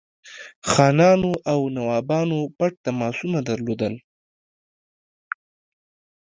خانانو او نوابانو پټ تماسونه درلودل.